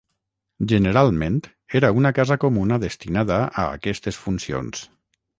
Generalment era una casa comuna destinada a aquestes funcions.